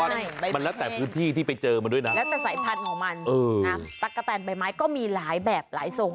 มันแล้วแต่พื้นที่ที่ไปเจอมันด้วยนะแล้วแต่สายพันธุ์ของมันตะกะแตนใบไม้ก็มีหลายแบบหลายทรง